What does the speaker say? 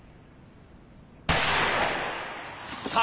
さあ